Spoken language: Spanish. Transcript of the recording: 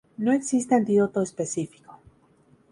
No existe antídoto específico.